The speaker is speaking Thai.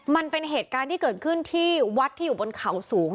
มันเป็นเหตุการณ์ที่เกิดขึ้นที่วัดที่อยู่บนเขาสูง